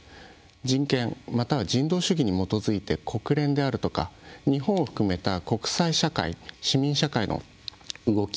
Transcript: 人権、または人道主義に基づいて国連であるとか、日本を含めて国際社会、市民社会の動き